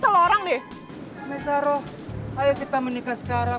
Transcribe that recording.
saya bukan maisaro ngerti gak sih